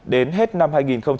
đến hết năm hai nghìn hai mươi một